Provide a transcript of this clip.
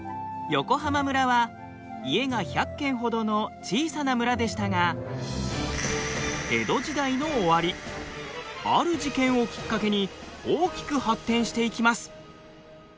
横浜村は家が１００軒ほどの小さな村でしたが江戸時代の終わりある事件をきっかけに大きく発展していきます。